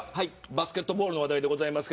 バスケットボールの話題です。